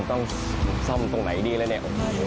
ต้องซ่อมตรงไหนดีแล้วเนี่ย